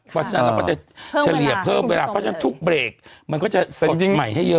เพราะฉะนั้นเราก็จะเฉลี่ยเพิ่มเวลาเพราะฉะนั้นทุกเบรกมันก็จะสดใหม่ให้เยอะ